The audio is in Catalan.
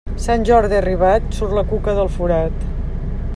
Sant Jordi arribat, surt la cuca del forat.